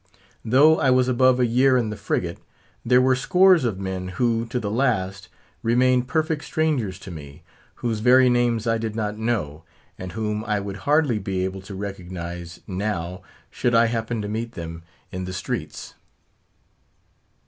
Though I was above a year in the frigate, there were scores of men who to the last remained perfect strangers to me, whose very names I did not know, and whom I would hardly be able to recognise now should I happen to meet them in the streets.